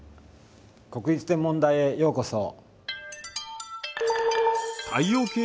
国立天文台へようこそ。